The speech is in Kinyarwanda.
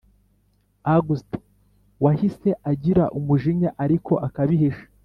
august wahise agira umujinya ariko akabihisha